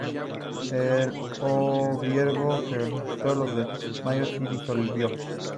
El gobierno georgiano los desarmó y disolvió.